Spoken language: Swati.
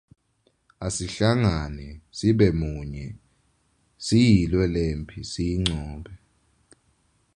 Asihlangane sibe munye siyilwe lemphi siyincobe.